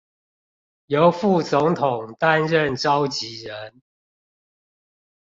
由副總統擔任召集人